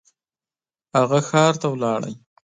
هغه ښار ته لاړ.